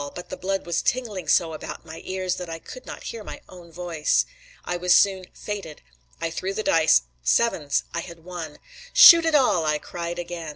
but the blood was tingling so about my ears that I could not hear my own voice. I was soon "fated." I threw the dice sevens I had won. "Shoot it all!" I cried again.